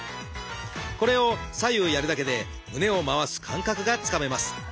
これを左右やるだけで胸を回す感覚がつかめます。